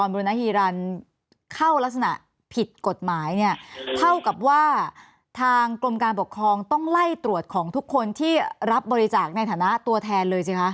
ภาษาปิดกฎหมายเท่ากับว่าทางกรมการปกครองต้องไล่ตรวจของทุกคนที่รับบริจาคในฐานะตัวแทน